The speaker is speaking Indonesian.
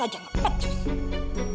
aku yang mengilangnya disini